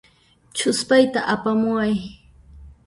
Ch'uspayta apamuway.